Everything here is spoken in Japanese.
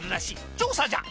調査じゃ！